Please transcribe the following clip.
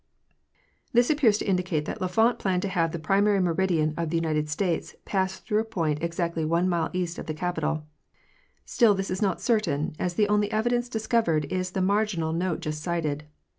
This appears to indicate that L'Enfant planned to have the primary meridian of the United States pass through a point ex actly one mile east of the Capitol. Still this is not certain, as the only evidence discovered is the marginal note just cited.